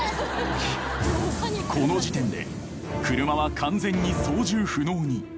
［この時点で車は完全に操縦不能に］